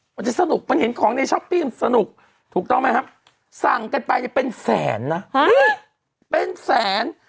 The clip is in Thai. มันจะสนุกมันเห็นของในช้อปปี้มันสนุกถูกต้องไหมครับสั่งกันไปเนี่ยเป็นแสนนะเป็นแสน